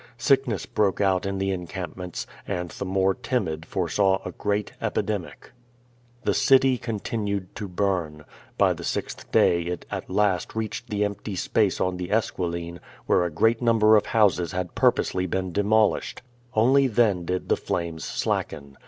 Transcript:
Sickness broke out in the encampments, and the more timid foresaw a great epidemic. The city continued to burn. By the sixth day it at last reached the empty space on the Esquiline, where a great num ber of houses had purposely been demolished. Only then did the flames slacken.